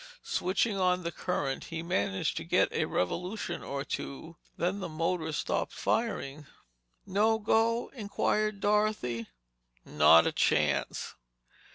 Switching on the current, he managed to get a revolution or two. Then the motor stopped firing. "No go?" inquired Dorothy. "Not a chance!"